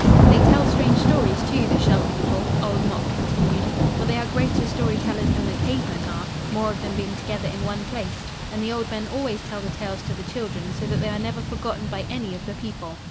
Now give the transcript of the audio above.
"They tell strange stories, too, the Shell People," Old Mok continued, "for they are greater story tellers than the Cave Men are, more of them being together in one place, and the old men always tell the tales to the children so that they are never forgotten by any of the people.